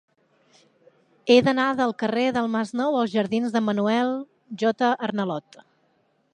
He d'anar del carrer del Masnou als jardins de Manuel J. Arnalot.